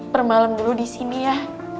bermalam dulu disini ya